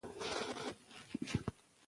که کورنۍ وي نو هڅونه نه کمیږي.